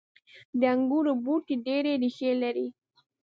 • د انګورو بوټي ډیرې ریښې لري.